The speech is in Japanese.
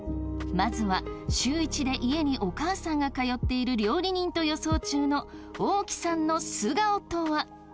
まずは週１で家にお母さんが通っている料理人と予想中のおおきさんの素顔とは。